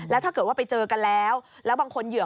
แล้วถ้าเกิดว่าไปเจอกันแล้วแล้วบางคนเหยื่อ